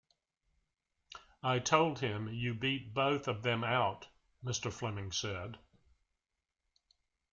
"I told him, you beat both of them out," Mr. Fleming said.